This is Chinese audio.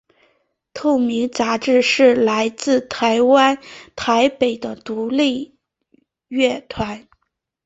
透明杂志是来自台湾台北的独立乐团。